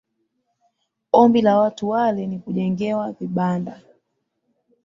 Ombi la watu wale ni kujengewa vibanda